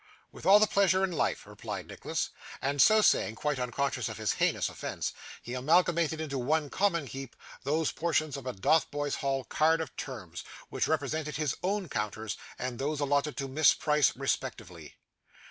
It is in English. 'With all the pleasure in life,' replied Nicholas. And so saying, quite unconscious of his heinous offence, he amalgamated into one common heap those portions of a Dotheboys Hall card of terms, which represented his own counters, and those allotted to Miss Price, respectively.